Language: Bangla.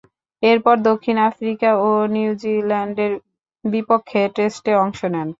এরপর দক্ষিণ আফ্রিকা ও নিউজিল্যান্ডের বিপক্ষে টেস্টে অংশ নেন।